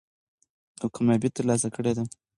او کاميابي تر لاسه کړې ده.